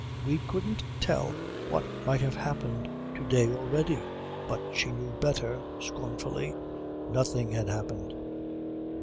We couldn't tell what might have happened to day already. But she knew better, scornfully. Nothing had happened.